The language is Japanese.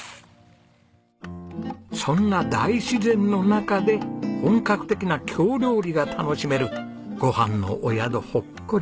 そんな大自然の中で本格的な京料理が楽しめる「ごはんのお宿ほっこり、」。